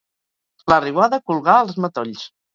La riuada colgà els matolls.